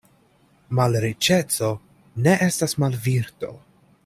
Malriĉeco ne estas malvirto.